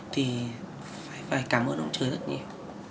thì phải cảm ơn ông trời rất nhiều